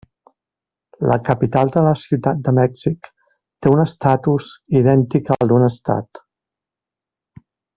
La capital de la Ciutat de Mèxic té un estatus idèntic al d'un estat.